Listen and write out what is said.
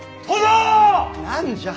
何じゃ。